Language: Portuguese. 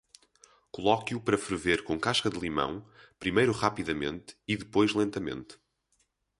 Coloque-o para ferver com casca de limão, primeiro rapidamente e depois lentamente.